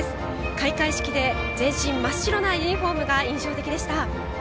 開会式で全身真っ白なユニフォームが印象的でした。